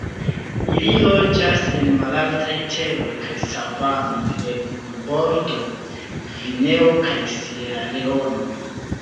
Ili loĝas en malaltaj teroj kaj savano de Eburbordo, Gvineo kaj Sieraleono.